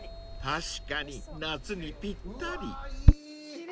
［確かに夏にぴったり］奇麗！